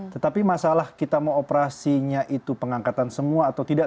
tetapi masalah kita mau operasinya itu pengangkatan semua atau tidak